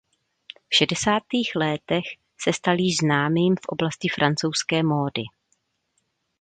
V šedesátých létech se stal již známým v oblasti francouzské módy.